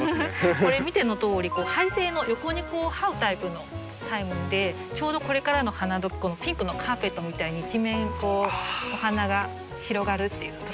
これ見てのとおり這い性の横に這うタイプのタイムでちょうどこれからの花時ピンクのカーペットみたいに一面お花が広がるっていう